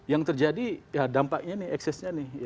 yang terjadi dampaknya nih aksesnya nih